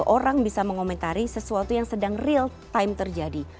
orang bisa mengomentari sesuatu yang sedang real time terjadi